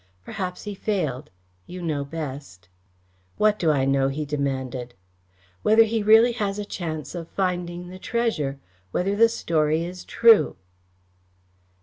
Perhaps he failed. You know best." "What do I know?" he demanded. "Whether he really has a chance of finding the treasure whether the story is true."